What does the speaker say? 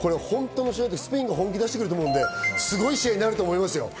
スペインも本気出してくると思うんで、すごい試合になると思いますよ。